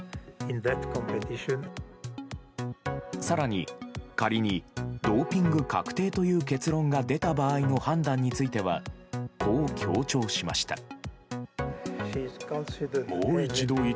更に、仮にドーピング確定という結論が出た場合の判断についてはこう強調しました。